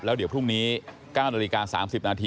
แล้วเดี๋ยวพรุ่งนี้๙น๓๐น